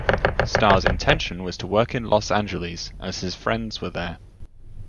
Starr's intention was to work in Los Angeles as his friends were there.